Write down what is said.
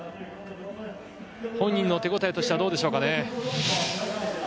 本人の手応えとしてはどうでしょうか。